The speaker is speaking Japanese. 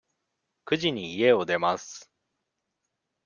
九時に家を出ます。